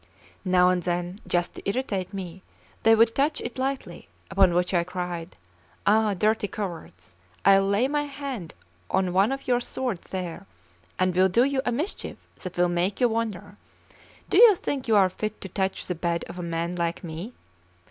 Now and then, just to irritate me, they would touch it lightly, upon which I cried: "Ah, dirty cowards! I'll lay my hand on one of your swords there, and will do you a mischief that will make you wonder. Do you think you are fit to touch the bed of a man like me?